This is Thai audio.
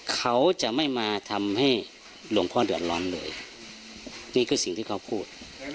เขาจะไม่มาทำให้หลวงพ่อเดือดร้อนเลยนี่คือสิ่งที่เขาพูด